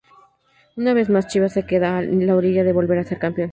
Una vez más Chivas se queda en la orilla de volver a ser campeón.